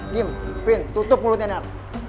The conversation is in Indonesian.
jim vin tutup mulutnya nar